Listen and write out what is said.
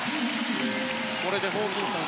これでホーキンソン